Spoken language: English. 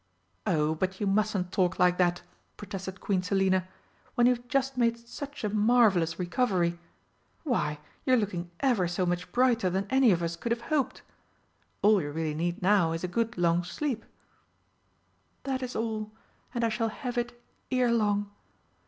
"Oh, but you mustn't talk like that!" protested Queen Selina, "when you've just made such a marvellous recovery! Why, you're looking ever so much brighter than any of us could have hoped. All you really need now is a good long sleep." "That is all, and I shall have it ere long.